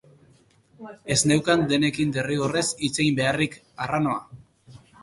Ez neukan denekin derrigorrez hitz egin beharrik, arranoa!